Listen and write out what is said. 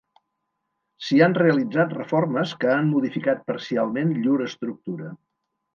S'hi han realitzat reformes que han modificat parcialment llur estructura.